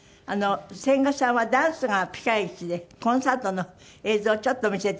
千賀さんはダンスがピカイチでコンサートの映像をちょっと見せて頂きます。